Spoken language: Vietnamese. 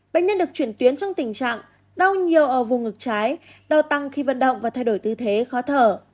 bệnh nhân được chuyển tuyến trong tình trạng đau nhiều ở vùng ngực trái đau tăng khi vận động và thay đổi tư thế khó thở